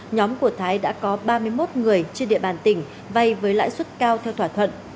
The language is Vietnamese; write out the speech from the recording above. nhóm của thái đã có ba mươi một người trên địa bàn tỉnh vay với lãi suất cao theo thỏa thuận